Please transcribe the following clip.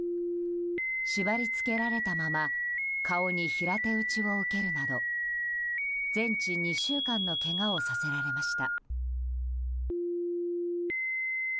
縛り付けられたまま顔に平手打ちを受けるなど全治２週間のけがをさせられました。